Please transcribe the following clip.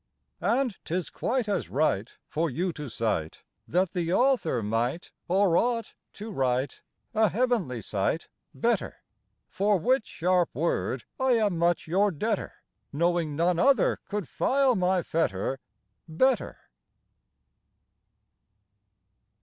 And 'tis quite As right For you to cite That the author might, Or ought, to write A heavenly sight Better! For which sharp word I am much your debtor, Knowing none other could file my fetter Better.